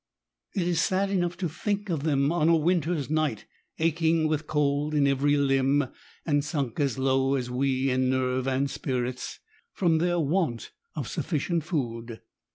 It is sad enough to think of them on a winter's night, aching with cold in every limb, and sunk as low as we in nerve and spirits, from their want of sufficient food.